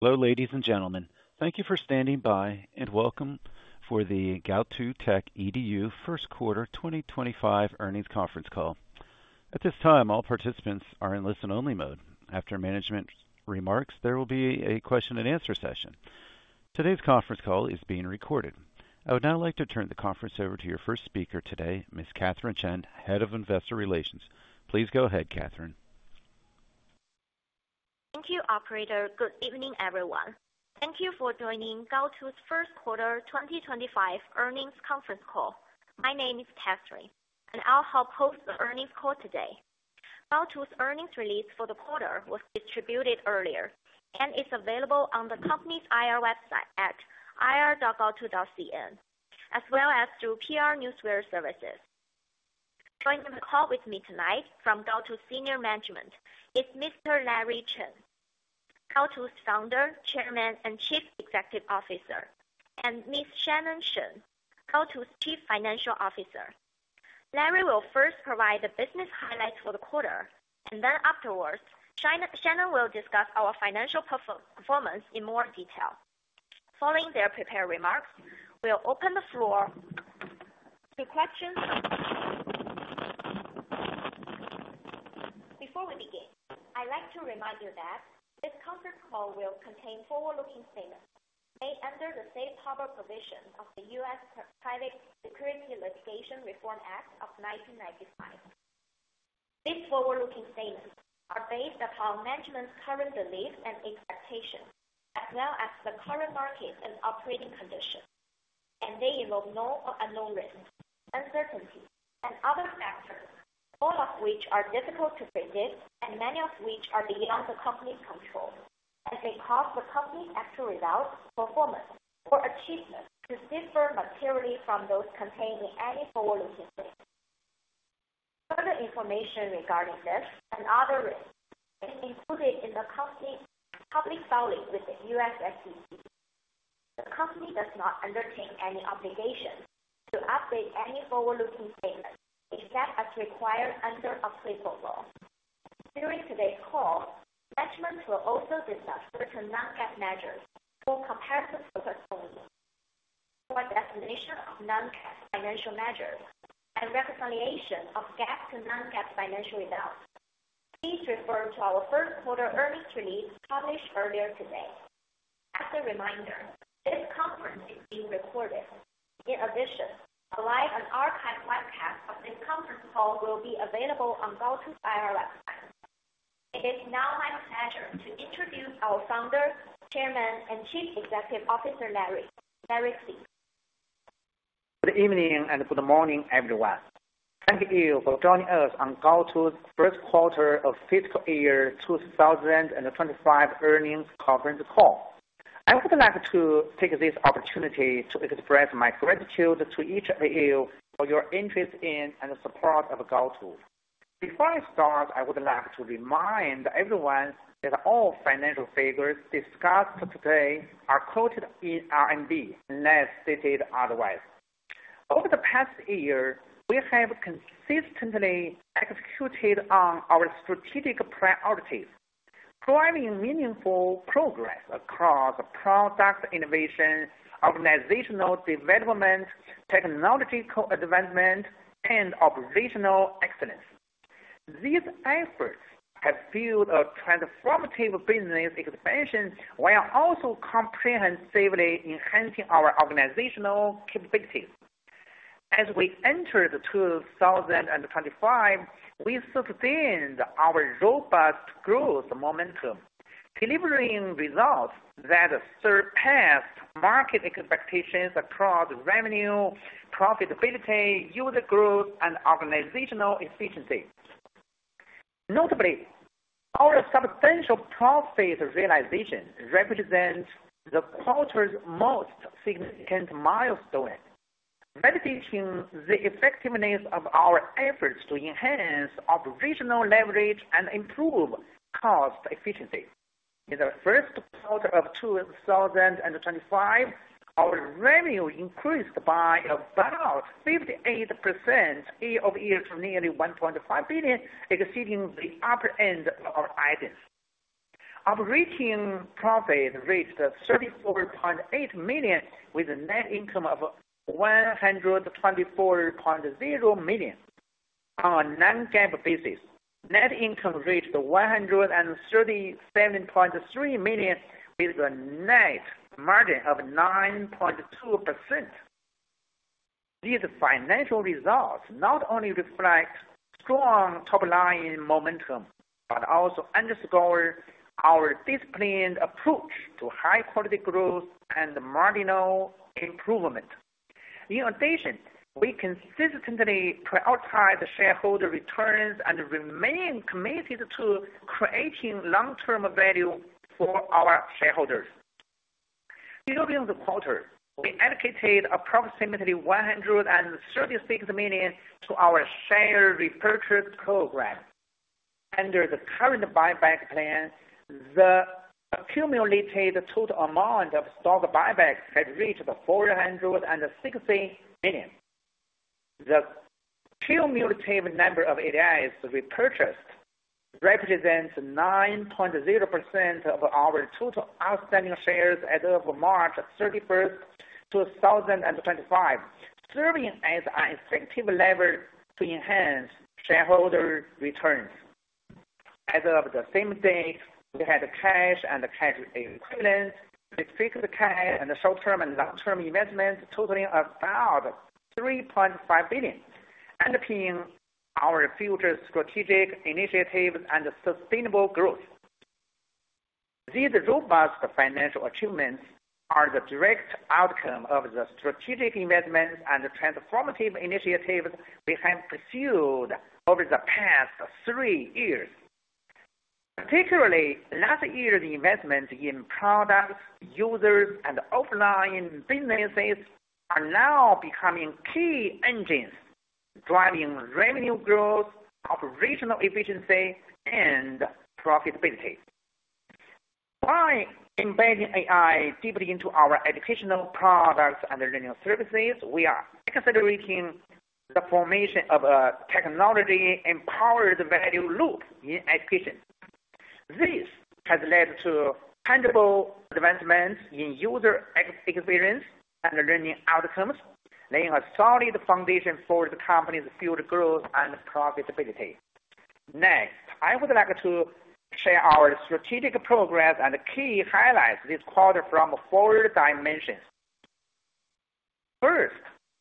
Hello, ladies and gentlemen. Thank you for standing by and welcome for the Gaotu Techedu First Quarter 2025 earnings conference call. At this time, all participants are in listen-only mode. After management remarks, there will be a question-and-answer session. Today's conference call is being recorded. I would now like to turn the conference over to your first speaker today, Ms. Catherine Chen, Head of Investor Relations. Please go ahead, Catherine. Thank you, Operator. Good evening, everyone. Thank you for joining Gaotu's First Quarter 2025 Earnings Conference Call. My name is Catherine, and I'll help host the earnings call today. Gaotu's earnings release for the quarter was distributed earlier, and it's available on the company's IR website at irgaotu.cn, as well as through PR Newswire services. Joining the call with me tonight from Gaotu's senior management is Mr. Larry Chen, Gaotu's Founder, Chairman, and Chief Executive Officer, and Ms. Shannon Shen, Gaotu's Chief Financial Officer. Larry will first provide the business highlights for the quarter, and then afterwards, Shannon will discuss our financial performance in more detail. Following their prepared remarks, we'll open the floor to questions. Before we begin, I'd like to remind you that this conference call will contain forward-looking statements made under the Safe Harbor provision of the U.S. Private Securities Litigation Reform Act of 1995. These forward-looking statements are based upon management's current beliefs and expectations, as well as the current market and operating conditions, and they involve known or unknown risks, uncertainties, and other factors, all of which are difficult to predict, and many of which are beyond the company's control, as they cause the company's actual results, performance, or achievements to differ materially from those contained in any forward-looking statement. Further information regarding risks and other risks is included in the company's public filing with the U.S. SEC. The company does not entertain any obligation to update any forward-looking statement except as required under a proof of law. During today's call, management will also discuss certain non-GAAP measures for comparative purposes only, for a definition of non-GAAP financial measures, and reconciliation of GAAP to non-GAAP financial results. Please refer to our First Quarter earnings release published earlier today. As a reminder, this conference is being recorded. In addition, a live and archived webcast of this conference call will be available on Gaotu's IR website. It is now my pleasure to introduce our Founder, Chairman, and Chief Executive Officer, Larry Chen. Good evening and good morning, everyone. Thank you for joining us on Gaotu Techedu's First Quarter of Fiscal Year 2025 Earnings Conference Call. I would like to take this opportunity to express my gratitude to each of you for your interest in and support of Gaotu Techedu. Before I start, I would like to remind everyone that all financial figures discussed today are quoted in RMB, unless stated otherwise. Over the past year, we have consistently executed on our strategic priorities, driving meaningful progress across product innovation, organizational development, technological advancement, and operational excellence. These efforts have fueled a transformative business expansion while also comprehensively enhancing our organizational capabilities. As we enter 2025, we sustained our robust growth momentum, delivering results that surpassed market expectations across revenue, profitability, user growth, and organizational efficiency. Notably, our substantial profit realization represents the quarter's most significant milestone, replicating the effectiveness of our efforts to enhance operational leverage and improve cost efficiency. In the first quarter of 2025, our revenue increased by about 58% year-over-year to nearly 1.5 billion, exceeding the upper end of our ideals. Operating profit reached 34.8 million, with net income of 124.0 million. On a non-GAAP basis, net income reached 137.3 million, with a net margin of 9.2%. These financial results not only reflect strong top-line momentum, but also underscore our disciplined approach to high-quality growth and marginal improvement. In addition, we consistently prioritize shareholder returns and remain committed to creating long-term value for our shareholders. During the quarter, we allocated approximately 136 million to our share repurchase program. Under the current buyback plan, the accumulated total amount of stock buybacks had reached 460 million. The cumulative number of ADS repurchased represents 9.0% of our total outstanding shares as of March 31, 2025, serving as an incentive lever to enhance shareholder returns. As of the same date, we had cash and cash equivalents, fixed cash, and short-term and long-term investments totaling about 3.5 billion, underpinning our future strategic initiatives and sustainable growth. These robust financial achievements are the direct outcome of the strategic investments and transformative initiatives we have pursued over the past three years. Particularly, last year's investments in products, users, and offline businesses are now becoming key engines, driving revenue growth, operational efficiency, and profitability. By embedding AI deeply into our educational products and learning services, we are accelerating the formation of a technology-empowered value loop in education. This has led to tangible advancements in user experience and learning outcomes, laying a solid foundation for the company's future growth and profitability. Next, I would like to share our strategic progress and key highlights this quarter from four dimensions. First,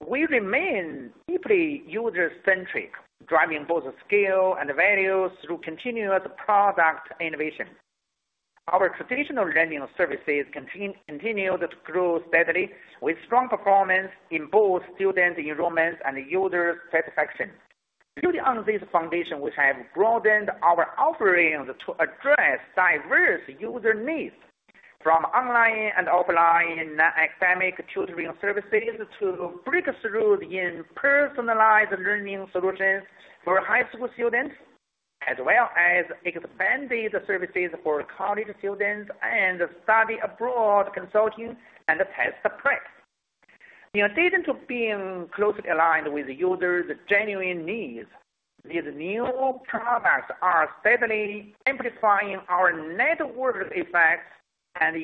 we remain deeply user-centric, driving both scale and value through continuous product innovation. Our traditional learning services continued to grow steadily, with strong performance in both student enrollment and user satisfaction. Building on this foundation, we have broadened our offerings to address diverse user needs, from online and offline academic tutoring services to breakthrough in personalized learning solutions for high school students, as well as expanded services for college students and study-abroad consulting and test prep. In addition to being closely aligned with users' genuine needs, these new products are steadily amplifying our network effects and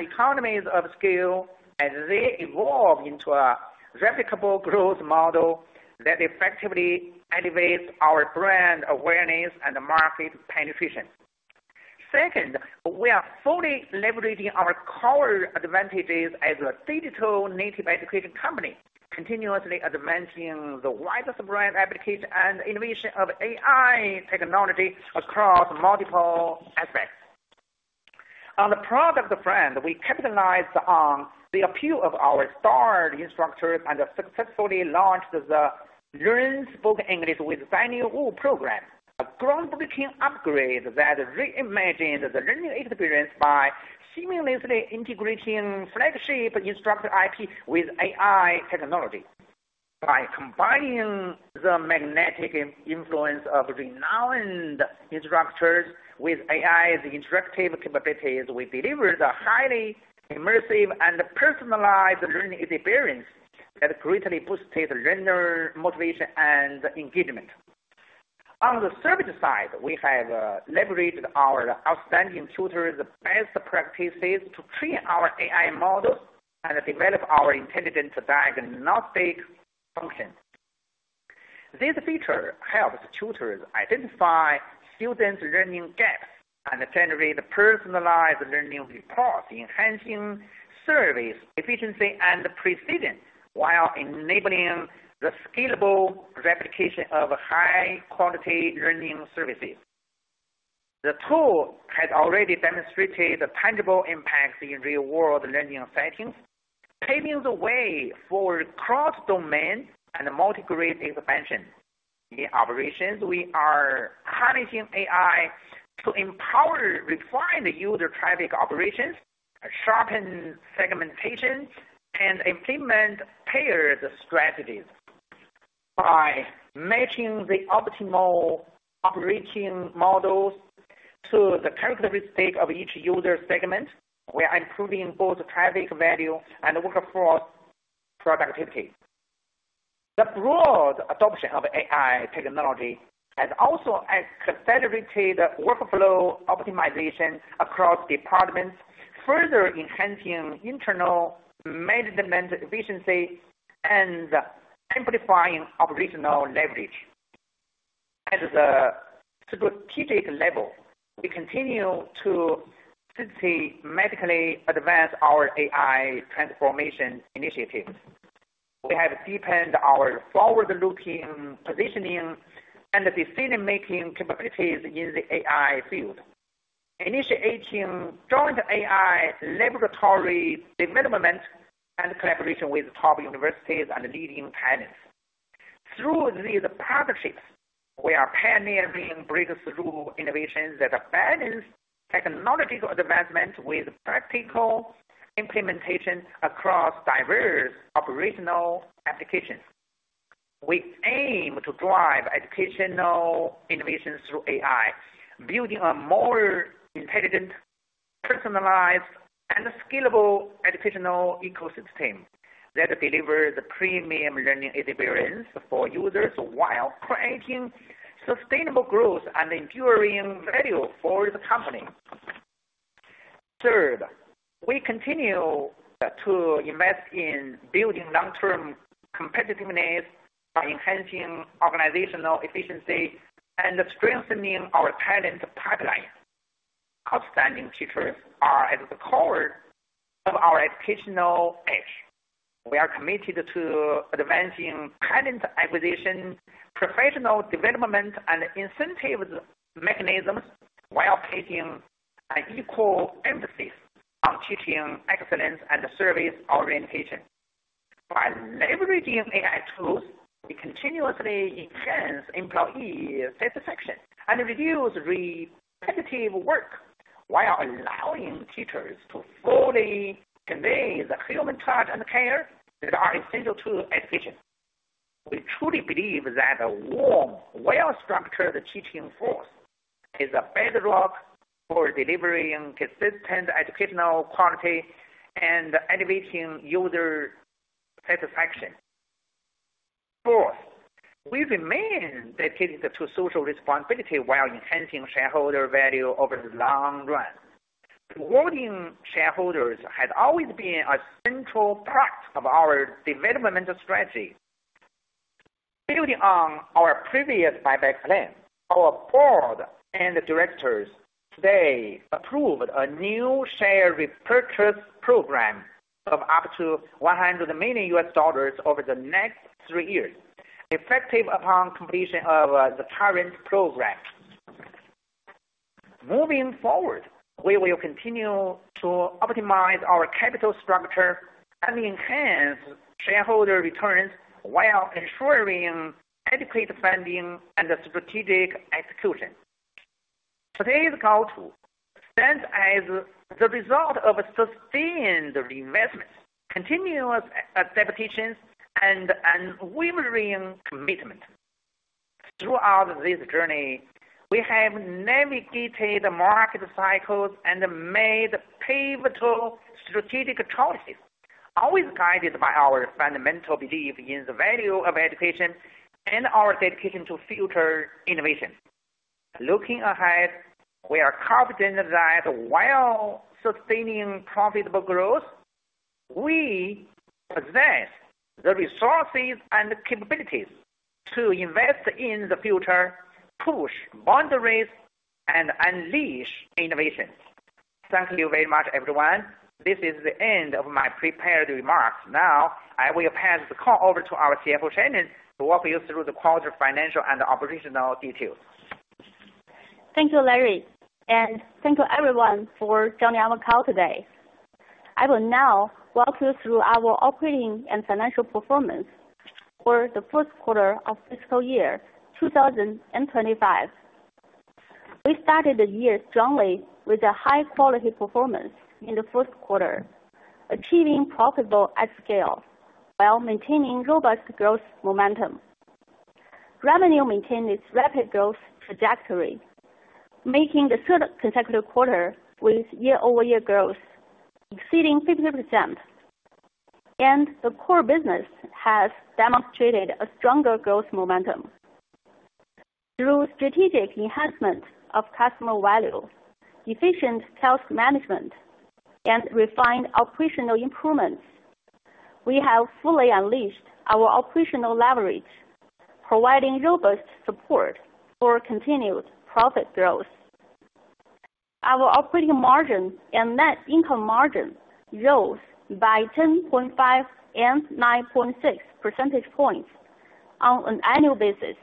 economies of scale as they evolve into a replicable growth model that effectively elevates our brand awareness and market penetration. Second, we are fully leveraging our core advantages as a digital native education company, continuously advancing the widespread application and innovation of AI technology across multiple aspects. On the product front, we capitalized on the appeal of our starred instructors and successfully launched the Learn Spoken English with Daniel Wu program, a groundbreaking upgrade that reimagined the learning experience by seamlessly integrating flagship instructor IP with AI technology. By combining the magnetic influence of renowned instructors with AI's interactive capabilities, we delivered a highly immersive and personalized learning experience that greatly boosted learner motivation and engagement. On the service side, we have leveraged our outstanding tutors' best practices to train our AI models and develop our intelligent diagnostic function. This feature helps tutors identify students' learning gaps and generate personalized learning reports, enhancing service efficiency and precision while enabling the scalable replication of high-quality learning services. The tool has already demonstrated tangible impacts in real-world learning settings, paving the way for cross-domain and multi-grid expansion. In operations, we are harnessing AI to empower refined user traffic operations, sharpen segmentation, and implement pairs strategies. By matching the optimal operating models to the characteristics of each user segment, we are improving both traffic value and workforce productivity. The broad adoption of AI technology has also accelerated workflow optimization across departments, further enhancing internal management efficiency and amplifying operational leverage. At the strategic level, we continue to systematically advance our AI transformation initiatives. We have deepened our forward-looking positioning and decision-making capabilities in the AI field, initiating joint AI laboratory development and collaboration with top universities and leading talents. Through these partnerships, we are pioneering breakthrough innovations that balance technological advancement with practical implementation across diverse operational applications. We aim to drive educational innovations through AI, building a more intelligent, personalized, and scalable educational ecosystem that delivers premium learning experiences for users while creating sustainable growth and enduring value for the company. Third, we continue to invest in building long-term competitiveness by enhancing organizational efficiency and strengthening our talent pipeline. Outstanding teachers are at the core of our educational edge. We are committed to advancing talent acquisition, professional development, and incentive mechanisms while placing an equal emphasis on teaching excellence and service orientation. By leveraging AI tools, we continuously enhance employee satisfaction and reduce repetitive work while allowing teachers to fully convey the human touch and care that are essential to education. We truly believe that a warm, well-structured teaching force is a bedrock for delivering consistent educational quality and elevating user satisfaction. Fourth, we remain dedicated to social responsibility while enhancing shareholder value over the long run. Rewarding shareholders has always been a central part of our development strategy. Building on our previous buyback plan, our board and directors today approved a new share repurchase program of up to $100 million over the next three years, effective upon completion of the current program. Moving forward, we will continue to optimize our capital structure and enhance shareholder returns while ensuring adequate funding and strategic execution. Today's Gaotu stands as the result of sustained reinvestments, continuous adaptations, and unwavering commitment. Throughout this journey, we have navigated market cycles and made pivotal strategic choices, always guided by our fundamental belief in the value of education and our dedication to future innovation. Looking ahead, we are confident that while sustaining profitable growth, we possess the resources and capabilities to invest in the future, push boundaries, and unleash innovation. Thank you very much, everyone. This is the end of my prepared remarks. Now, I will pass the call over to our CFO, Shannon, to walk you through the quarter's financial and operational details. Thank you, Larry. Thank you, everyone, for joining our call today. I will now walk you through our operating and financial performance for the first quarter of fiscal year 2025. We started the year strongly with a high-quality performance in the first quarter, achieving profitable at scale while maintaining robust growth momentum. Revenue maintained its rapid growth trajectory, making the third consecutive quarter with year-over-year growth exceeding 50%. The core business has demonstrated a stronger growth momentum through strategic enhancement of customer value, efficient health management, and refined operational improvements. We have fully unleashed our operating leverage, providing robust support for continued profit growth. Our operating margin and net income margin rose by 10.5 and 9.6 percentage points on an annual basis,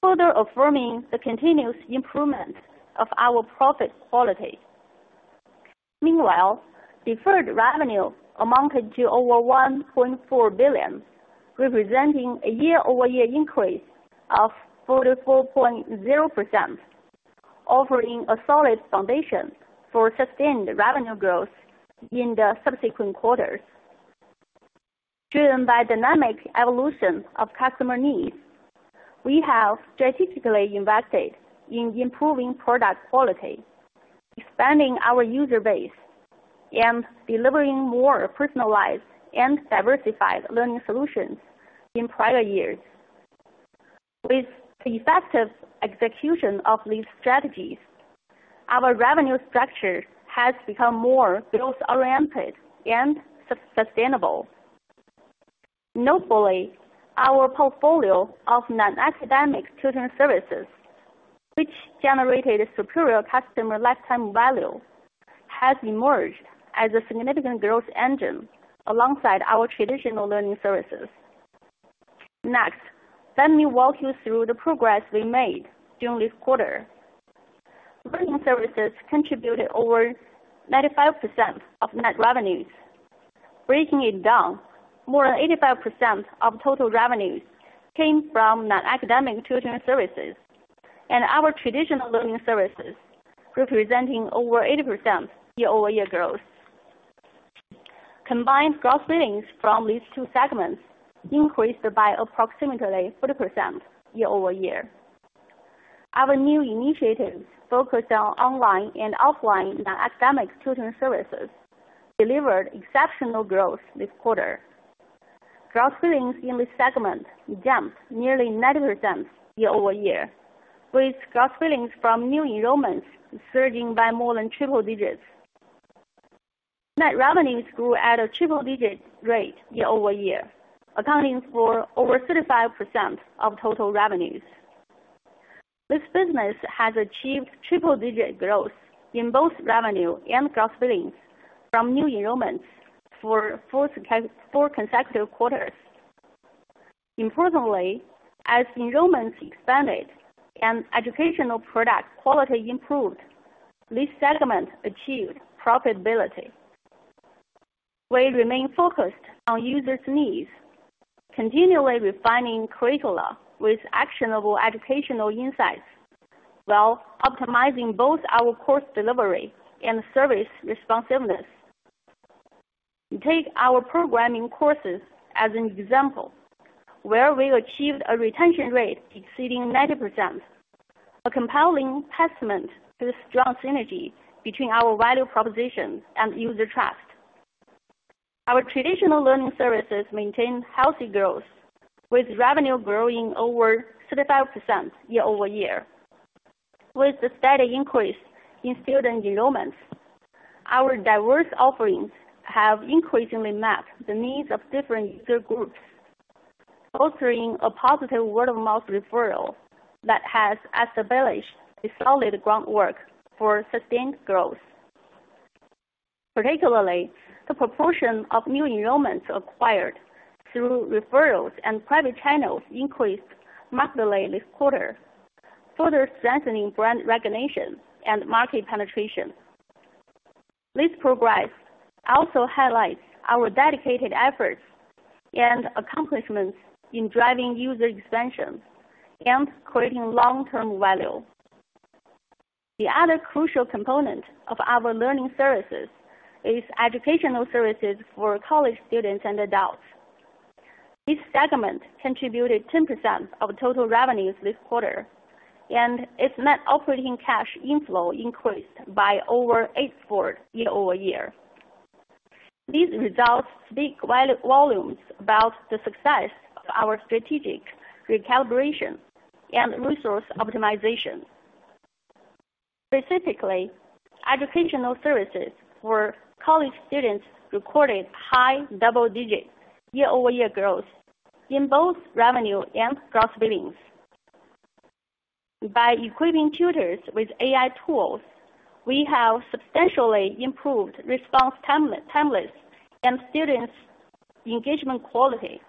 further affirming the continuous improvement of our profit quality. Meanwhile, deferred revenue amounted to over 1.4 billion, representing a year-over-year increase of 44.0%, offering a solid foundation for sustained revenue growth in the subsequent quarters. Driven by dynamic evolution of customer needs, we have strategically invested in improving product quality, expanding our user base, and delivering more personalized and diversified learning solutions in prior years. With the effective execution of these strategies, our revenue structure has become more growth-oriented and sustainable. Notably, our portfolio of non-academic tutoring services, which generated superior customer lifetime value, has emerged as a significant growth engine alongside our traditional learning services. Next, let me walk you through the progress we made during this quarter. Learning services contributed over 95% of net revenues. Breaking it down, more than 85% of total revenues came from non-academic tutoring services and our traditional learning services, representing over 80% year-over-year growth. Combined gross earnings from these two segments increased by approximately 40% year-over-year. Our new initiatives, focused on online and offline non-academic tutoring services, delivered exceptional growth this quarter. Gross earnings in this segment jumped nearly 90% year-over-year, with gross earnings from new enrollments surging by more than triple digits. Net revenues grew at a triple-digit rate year-over-year, accounting for over 35% of total revenues. This business has achieved triple-digit growth in both revenue and gross earnings from new enrollments for four consecutive quarters. Importantly, as enrollments expanded and educational product quality improved, this segment achieved profitability. We remain focused on users' needs, continually refining curricula with actionable educational insights while optimizing both our course delivery and service responsiveness. Take our programming courses as an example, where we achieved a retention rate exceeding 90%, a compelling testament to the strong synergy between our value proposition and user trust. Our traditional learning services maintained healthy growth, with revenue growing over 35% year-over-year. With the steady increase in student enrollments, our diverse offerings have increasingly met the needs of different user groups, fostering a positive word-of-mouth referral that has established a solid groundwork for sustained growth. Particularly, the proportion of new enrollments acquired through referrals and private channels increased markedly this quarter, further strengthening brand recognition and market penetration. This progress also highlights our dedicated efforts and accomplishments in driving user expansion and creating long-term value. The other crucial component of our learning services is educational services for college students and adults. This segment contributed 10% of total revenues this quarter, and its net operating cash inflow increased by over 8% year-over-year. These results speak volumes about the success of our strategic recalibration and resource optimization. Specifically, educational services for college students recorded high double-digit year-over-year growth in both revenue and gross earnings. By equipping tutors with AI tools, we have substantially improved response timelines and students' engagement quality,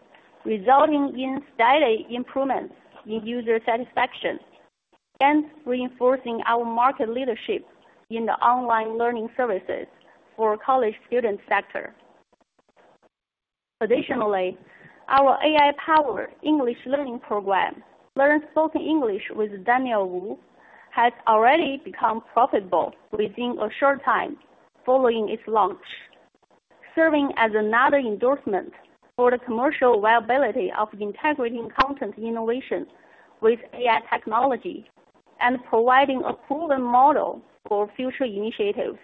resulting in steady improvements in user satisfaction and reinforcing our market leadership in the online learning services for college student sector. Additionally, our AI-powered English learning program, Learn Spoken English with Daniel Wu, has already become profitable within a short time following its launch, serving as another endorsement for the commercial viability of integrating content innovation with AI technology and providing a proven model for future initiatives.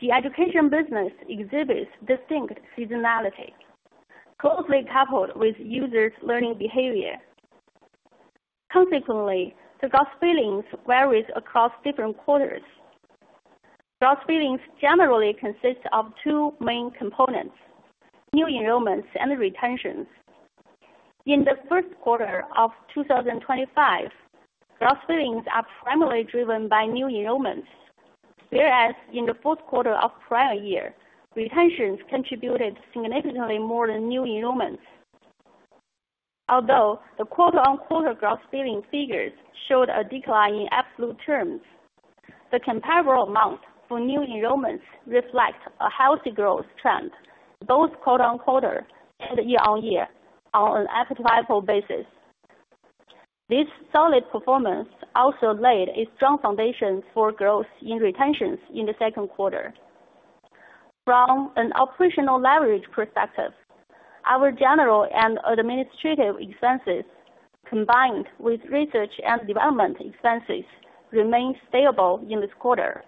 The education business exhibits distinct seasonality, closely coupled with users' learning behavior. Consequently, the gross earnings varies across different quarters. Gross earnings generally consist of two main components: new enrollments and retentions. In the first quarter of 2025, gross earnings are primarily driven by new enrollments, whereas in the fourth quarter of prior year, retentions contributed significantly more than new enrollments. Although the quarter-on-quarter gross earnings figures showed a decline in absolute terms, the comparable amount for new enrollments reflects a healthy growth trend both quarter-on-quarter and year-on-year on an equitable basis. This solid performance also laid a strong foundation for growth in retentions in the second quarter. From an operating leverage perspective, our general and administrative expenses, combined with research and development expenses, remain stable in this quarter.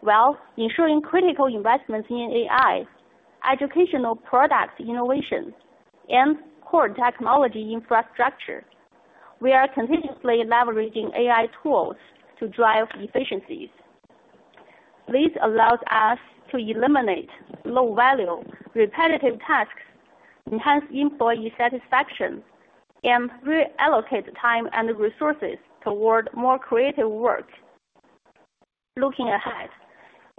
While ensuring critical investments in AI, educational product innovation, and core technology infrastructure, we are continuously leveraging AI tools to drive efficiencies. This allows us to eliminate low-value, repetitive tasks, enhance employee satisfaction, and reallocate time and resources toward more creative work. Looking ahead,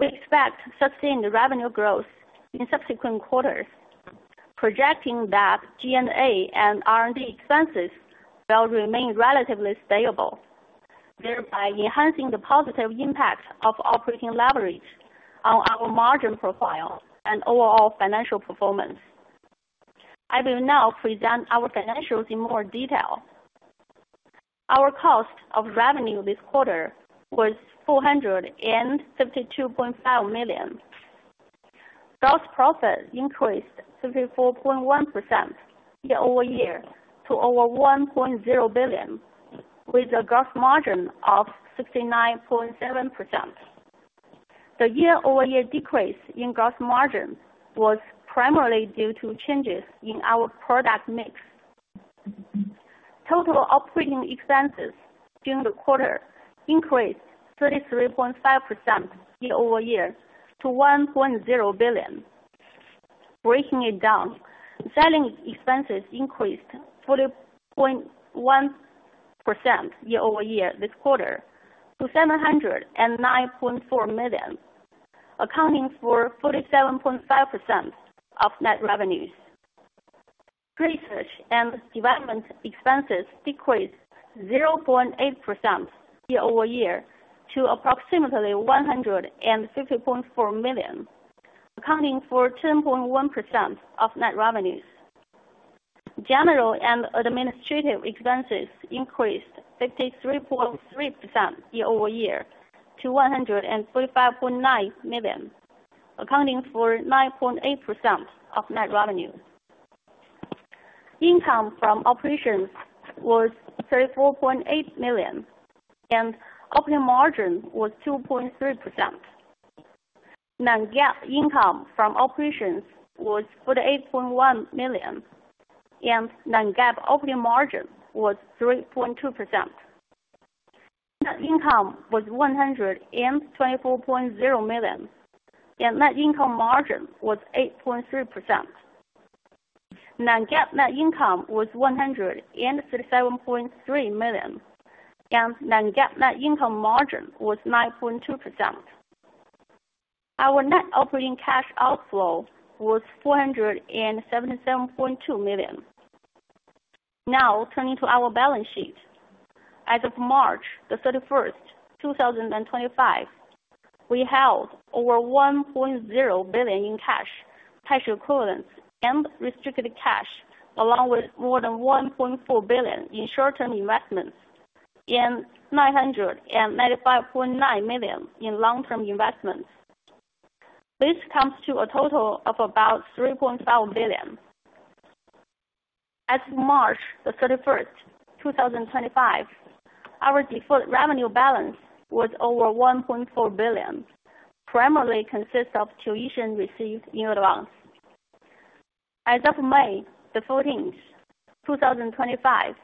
we expect sustained revenue growth in subsequent quarters, projecting that G&A and R&D expenses will remain relatively stable, thereby enhancing the positive impact of operating leverage on our margin profile and overall financial performance. I will now present our financials in more detail. Our cost of revenue this quarter was 452.5 million. Gross profit increased 54.1% year-over-year to over 1.0 billion, with a gross margin of 69.7%. The year-over-year decrease in gross margin was primarily due to changes in our product mix. Total operating expenses during the quarter increased 33.5% year-over-year to 1.0 billion. Breaking it down, selling expenses increased 40.1% year-over-year this quarter to 709.4 million, accounting for 47.5% of net revenues. Research and development expenses decreased 0.8% year-over-year to approximately 150.4 million, accounting for 10.1% of net revenues. General and administrative expenses increased 53.3% year-over-year to 145.9 million, accounting for 9.8% of net revenue. Income from operations was 34.8 million, and operating margin was 2.3%. Non-GAAP income from operations was 48.1 million, and non-GAAP operating margin was 3.2%. Net income was 124.0 million, and net income margin was 8.3%. Non-GAAP net income was 137.3 million, and non-GAAP net income margin was 9.2%. Our net operating cash outflow was 477.2 million. Now, turning to our balance sheet. As of March 31, 2025, we held over 1.0 billion in cash, cash equivalents, and restricted cash, along with more than 1.4 billion in short-term investments and 995.9 million in long-term investments. This comes to a total of about 3.5 billion. As of March 31, 2025, our deferred revenue balance was over 1.4 billion, primarily consisting of tuition received in advance. As of May 14, 2025,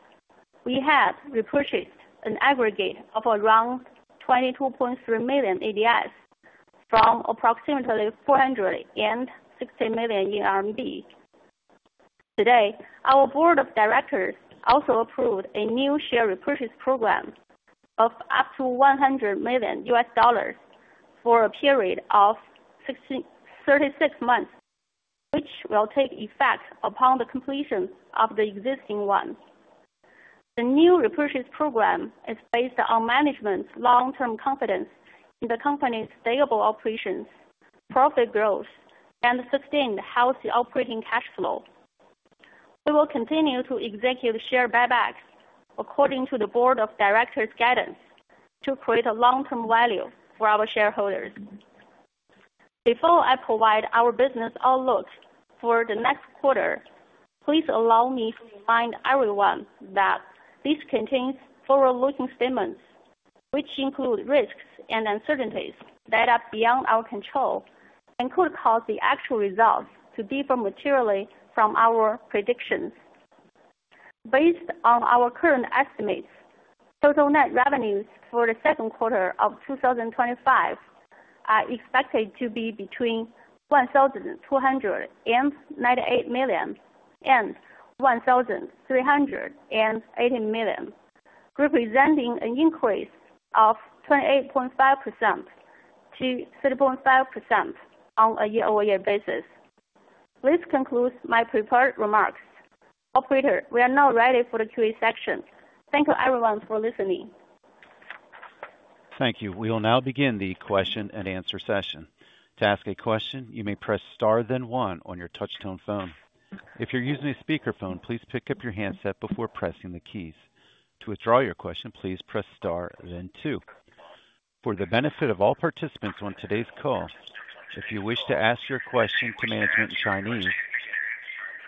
we had repurchased an aggregate of around 22.3 million ADS from approximately 460 million RMB in R&D. Today, our Board of Directors also approved a new share repurchase program of up to $100 million for a period of 36 months, which will take effect upon the completion of the existing one. The new repurchase program is based on management's long-term confidence in the company's stable operations, profit growth, and sustained healthy operating cash flow. We will continue to execute share buybacks according to the Board of Directors' guidance to create a long-term value for our shareholders. Before I provide our business outlook for the next quarter, please allow me to remind everyone that this contains forward-looking statements, which include risks and uncertainties that are beyond our control and could cause the actual results to differ materially from our predictions. Based on our current estimates, total net revenues for the second quarter of 2025 are expected to be between 1,298 million and 1,380 million, representing an increase of 28.5% to 3.5% on a year-over-year basis. This concludes my prepared remarks. Operator, we are now ready for the Q&A section. Thank you, everyone, for listening. Thank you. We will now begin the question and answer session. To ask a question, you may press star then one on your touch-tone phone. If you're using a speakerphone, please pick up your handset before pressing the keys. To withdraw your question, please press star then two. For the benefit of all participants on today's call, if you wish to ask your question to management in Chinese,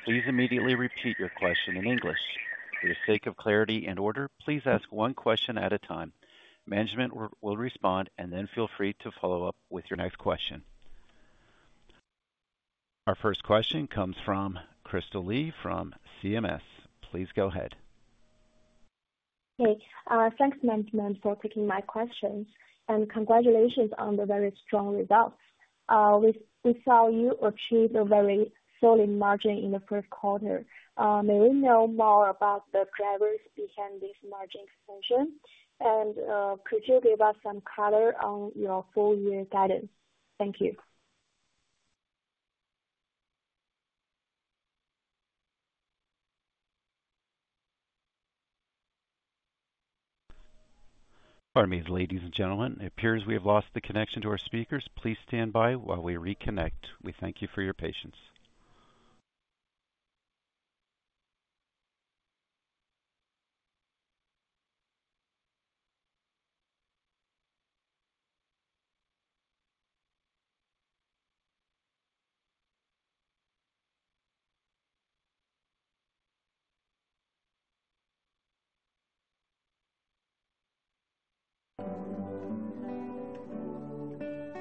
please immediately repeat your question in English. For the sake of clarity and order, please ask one question at a time. Management will respond, and then feel free to follow up with your next question. Our first question comes from Crystal Liu from CMS. Please go ahead. Okay. Thanks, management, for taking my questions, and congratulations on the very strong results. We saw you achieve a very solid margin in the first quarter. May we know more about the drivers behind this margin expansion? And could you give us some color on your full-year guidance? Thank you. Pardon me, ladies and gentlemen. It appears we have lost the connection to our speakers. Please stand by while we reconnect. We thank you for your patience. Pardon me, everybody.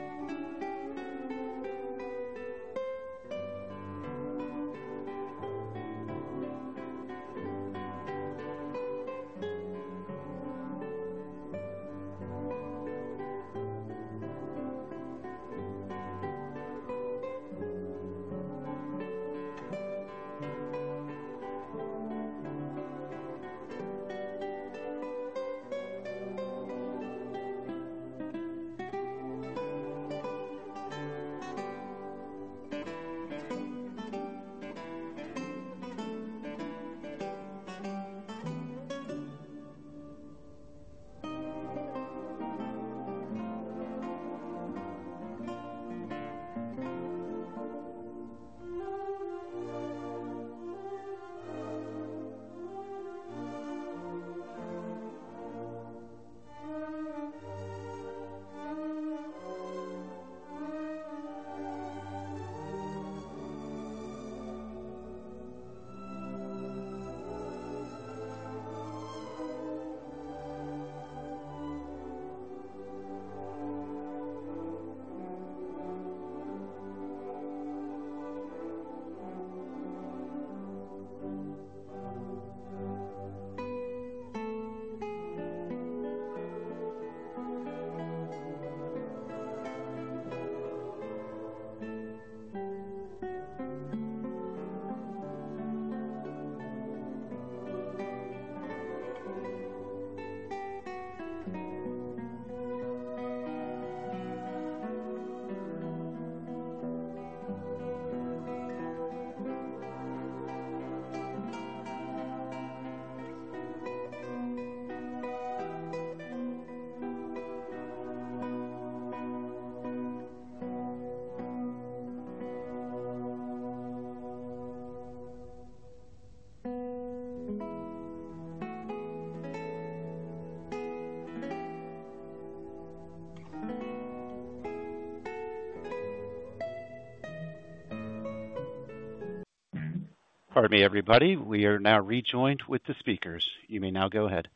We are now rejoined with the speakers. You may now go ahead.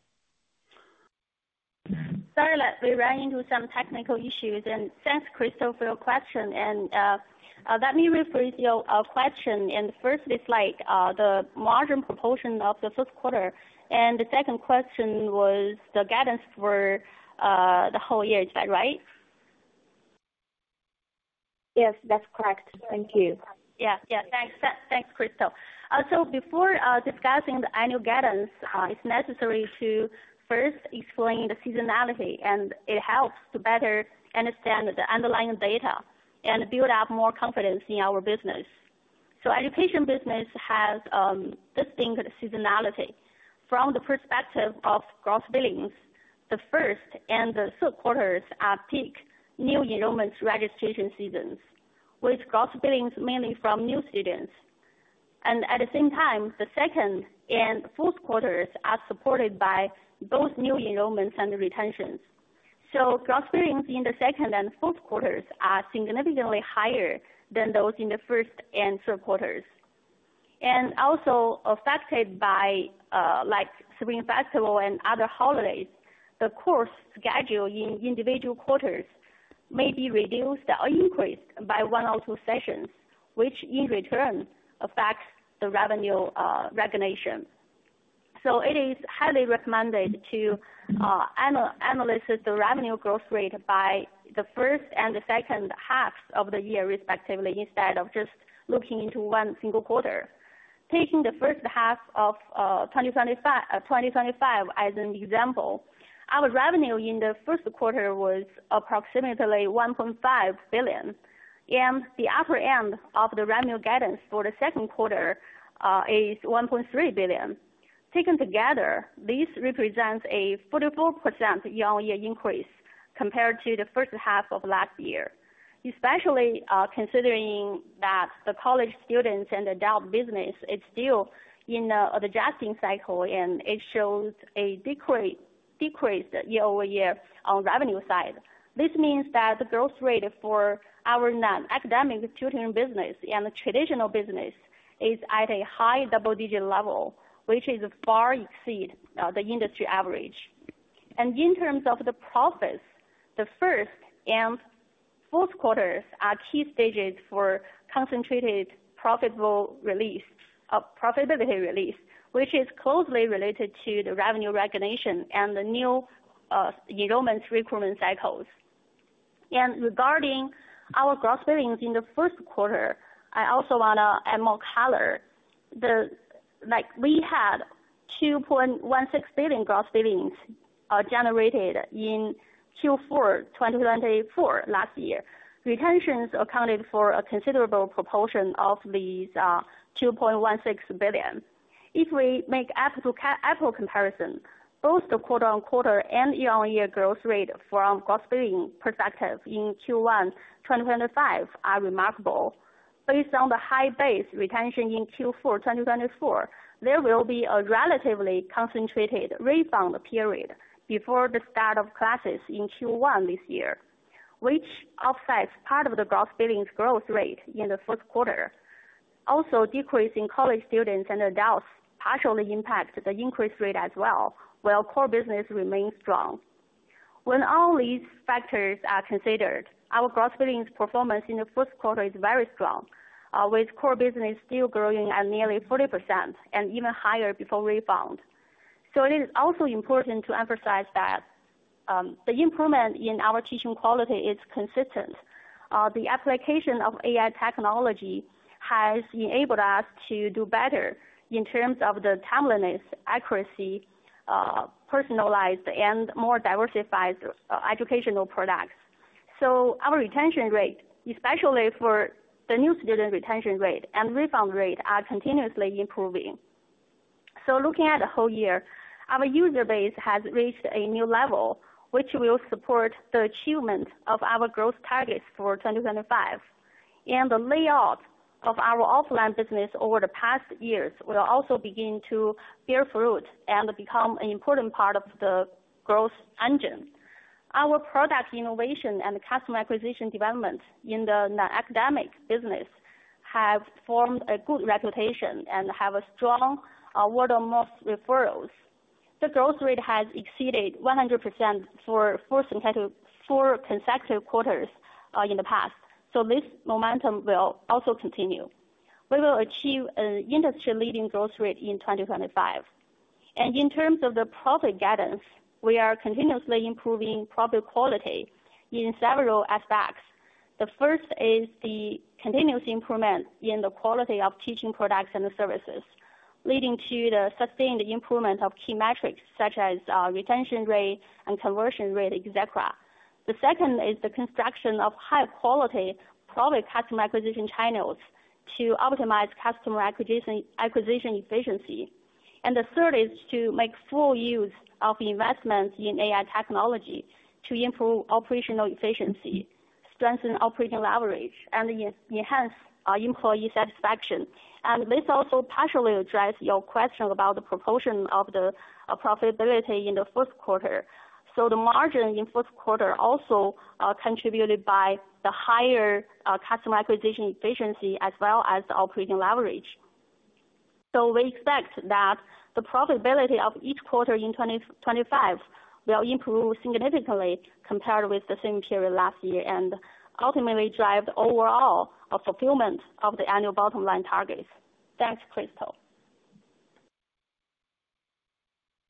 Sorry, we ran into some technical issues. Thanks, Crystal, for your question. Let me rephrase your question. The first is like the margin proportion of the first quarter. The second question was the guidance for the whole year. Is that right? Yes, that's correct. Thank you. Yeah, yeah. Thanks, Crystal. Before discussing the annual guidance, it's necessary to first explain the seasonality, and it helps to better understand the underlying data and build up more confidence in our business. Education business has distinct seasonality. From the perspective of gross billings, the first and the third quarters are peak new enrollments registration seasons, with gross billings mainly from new students. At the same time, the second and fourth quarters are supported by both new enrollments and retentions. Gross billings in the second and fourth quarters are significantly higher than those in the first and third quarters. Also affected by Spring Festival and other holidays, the course schedule in individual quarters may be reduced or increased by one or two sessions, which in return affects the revenue recognition. It is highly recommended to analyze the revenue growth rate by the first and the second halves of the year, respectively, instead of just looking into one single quarter. Taking the first half of 2025 as an example, our revenue in the first quarter was approximately 1.5 billion. The upper end of the revenue guidance for the second quarter is 1.3 billion. Taken together, this represents a 44% year-on-year increase compared to the first half of last year, especially considering that the college students and adult business is still in an adjusting cycle, and it shows a decreased year-over-year on the revenue side. This means that the growth rate for our non-academic tutoring business and traditional business is at a high double-digit level, which is far exceeding the industry average. In terms of the profits, the first and fourth quarters are key stages for concentrated profitability release, which is closely related to the revenue recognition and the new enrollment recruitment cycles. Regarding our gross billings in the first quarter, I also want to add more color. We had 2.16 billion gross billings generated in Q4 2024 last year. Retentions accounted for a considerable proportion of these 2.16 billion. If we make an apple comparison, both the quarter-on-quarter and year-on-year growth rate from gross billing perspective in Q1 2025 are remarkable. Based on the high base retention in Q4 2024, there will be a relatively concentrated refund period before the start of classes in Q1 this year, which affects part of the gross billings growth rate in the first quarter. Also, decrease in college students and adults partially impacts the increase rate as well, while core business remains strong. When all these factors are considered, our gross billings performance in the first quarter is very strong, with core business still growing at nearly 40% and even higher before refund. It is also important to emphasize that the improvement in our teaching quality is consistent. The application of AI technology has enabled us to do better in terms of the timeliness, accuracy, personalized, and more diversified educational products. Our retention rate, especially for the new student retention rate and refund rate, are continuously improving. Looking at the whole year, our user base has reached a new level, which will support the achievement of our growth targets for 2025. The layout of our offline business over the past years will also begin to bear fruit and become an important part of the growth engine. Our product innovation and customer acquisition development in the non-academic business have formed a good reputation and have strong word-of-mouth referrals. The growth rate has exceeded 100% for four consecutive quarters in the past. This momentum will also continue. We will achieve an industry-leading growth rate in 2025. In terms of the profit guidance, we are continuously improving profit quality in several aspects. The first is the continuous improvement in the quality of teaching products and services, leading to the sustained improvement of key metrics such as retention rate and conversion rate, et cetera. The second is the construction of high-quality profit customer acquisition channels to optimize customer acquisition efficiency. The third is to make full use of investments in AI technology to improve operational efficiency, strengthen operating leverage, and enhance employee satisfaction. This also partially addressed your question about the proportion of the profitability in the fourth quarter. The margin in fourth quarter also contributed by the higher customer acquisition efficiency as well as the operating leverage. We expect that the profitability of each quarter in 2025 will improve significantly compared with the same period last year and ultimately drive the overall fulfillment of the annual bottom-line targets. Thanks, Crystal.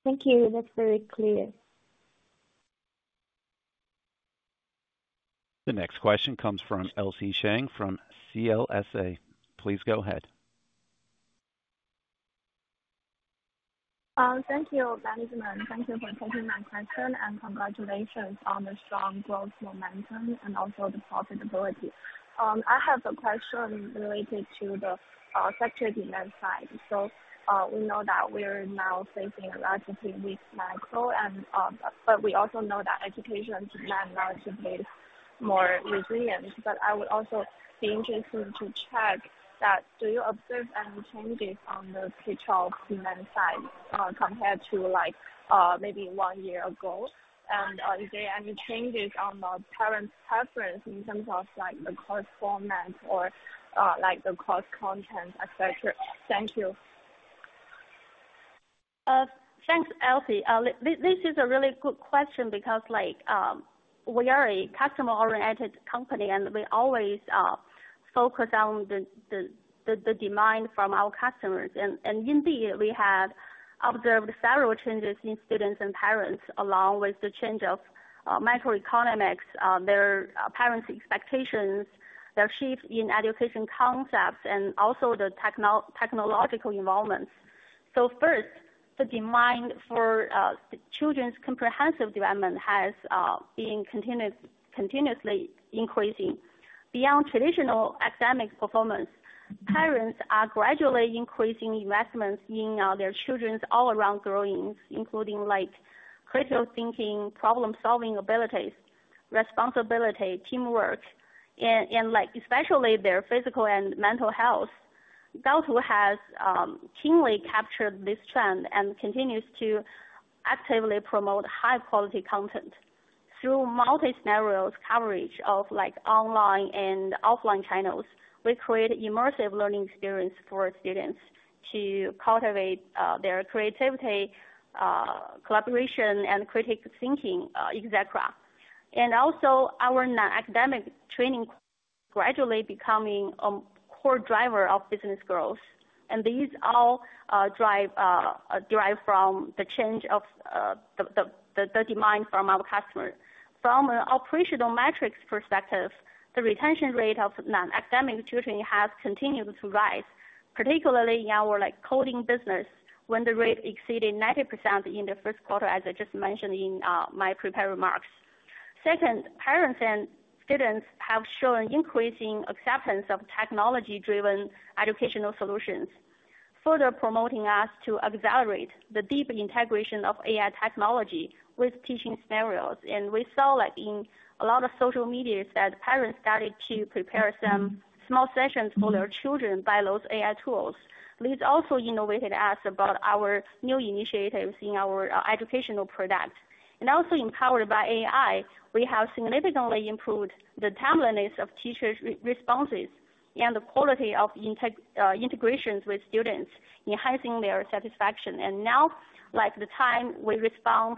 Thank you. That's very clear. The next question comes from Elsie Sheng from CLSA. Please go ahead. Thank you, management. Thank you for taking my question. And congratulations on the strong growth momentum and also the profitability. I have a question related to the sector demand side. We know that we're now facing a relatively weak macro, but we also know that education demand is relatively more resilient. I would also be interested to check that do you observe any changes on the K-12 demand side compared to maybe one year ago? Are there any changes on the parents' preference in terms of the course format or the course content, et cetera? Thank you. Thanks, Elsie. This is a really good question because we are a customer-oriented company, and we always focus on the demand from our customers. Indeed, we have observed several changes in students and parents along with the change of macroeconomics, their parents' expectations, their shift in education concepts, and also the technological involvement. First, the demand for children's comprehensive development has been continuously increasing. Beyond traditional academic performance, parents are gradually increasing investments in their children's all-around growings, including critical thinking, problem-solving abilities, responsibility, teamwork, and especially their physical and mental health. Gaotu has keenly captured this trend and continues to actively promote high-quality content. Through multi-scenarios coverage of online and offline channels, we create immersive learning experiences for students to cultivate their creativity, collaboration, and critical thinking, et cetera. Also, our non-academic training is gradually becoming a core driver of business growth. These all derive from the change of the demand from our customers. From an operational metrics perspective, the retention rate of non-academic tutoring has continued to rise, particularly in our coding business when the rate exceeded 90% in the first quarter, as I just mentioned in my prepared remarks. Second, parents and students have shown increasing acceptance of technology-driven educational solutions, further promoting us to accelerate the deep integration of AI technology with teaching scenarios. We saw in a lot of social media that parents started to prepare some small sessions for their children by those AI tools. This also innovated us about our new initiatives in our educational product. Also empowered by AI, we have significantly improved the timeliness of teacher responses and the quality of integrations with students, enhancing their satisfaction. Now, the time we respond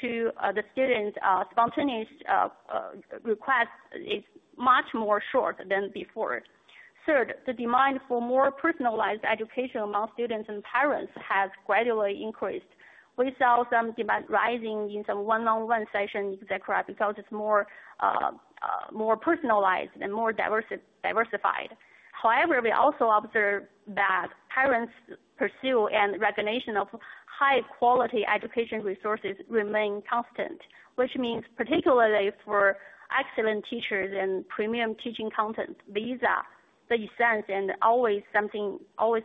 to the students' spontaneous requests is much more short than before. Third, the demand for more personalized education among students and parents has gradually increased. We saw some demand rising in some one-on-one sessions, et cetera, because it's more personalized and more diversified. However, we also observed that parents' pursuit and recognition of high-quality education resources remain constant, which means particularly for excellent teachers and premium teaching content, these are the essence and always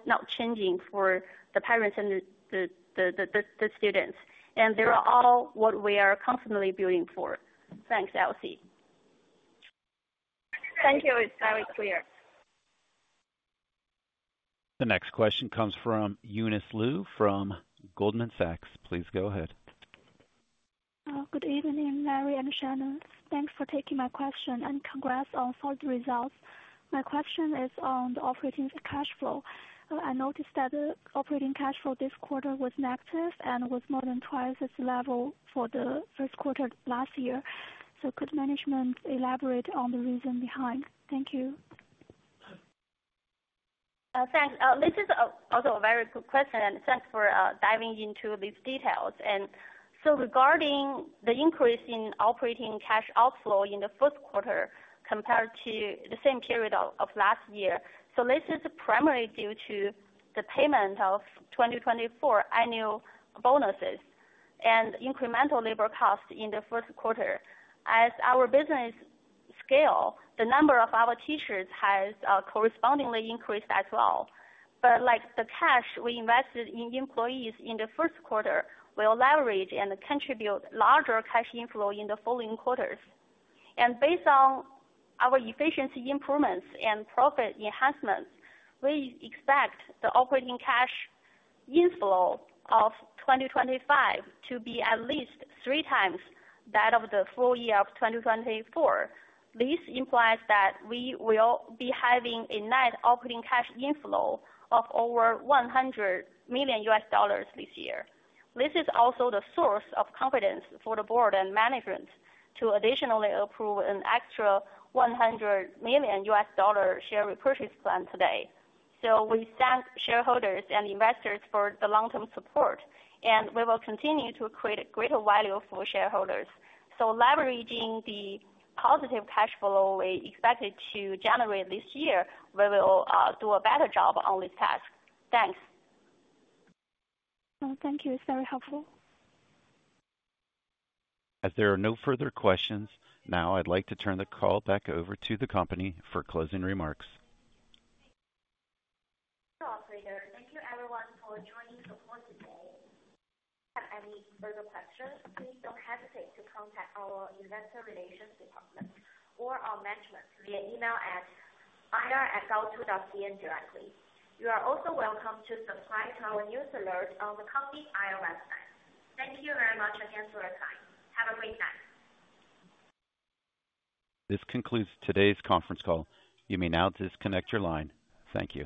not changing for the parents and the students. They are all what we are constantly building for. Thanks, Elsie. Thank you. It's very clear. The next question comes from Eunice Liu from Goldman Sachs. Please go ahead. Good evening, Larry and Shannon. Thanks for taking my question and congrats on solid results. My question is on the operating cash flow. I noticed that the operating cash flow this quarter was negative and was more than twice its level for the first quarter last year. Could management elaborate on the reason behind? Thank you. Thanks. This is also a very good question. Thanks for diving into these details. Regarding the increase in operating cash outflow in the fourth quarter compared to the same period of last year, this is primarily due to the payment of 2024 annual bonuses and incremental labor costs in the fourth quarter. As our business scales, the number of our teachers has correspondingly increased as well. The cash we invested in employees in the first quarter will leverage and contribute larger cash inflow in the following quarters. Based on our efficiency improvements and profit enhancements, we expect the operating cash inflow of 2025 to be at least three times that of the full year of 2024. This implies that we will be having a net operating cash inflow of over $100 million this year. This is also the source of confidence for the board and management to additionally approve an extra $100 million share repurchase plan today. We thank shareholders and investors for the long-term support, and we will continue to create greater value for shareholders. Leveraging the positive cash flow we expected to generate this year, we will do a better job on this task. Thanks. Thank you. It's very helpful. As there are no further questions now, I'd like to turn the call back over to the company for closing remarks. Thank you, everyone, for joining the call today. Have any further questions, please don't hesitate to contact our investor relations department or our management via email at ir@gaotu.cn directly. You are also welcome to subscribe to our news alert on the company IR site. Thank you very much again for your time. Have a great day. This concludes today's conference call. You may now disconnect your line. Thank you.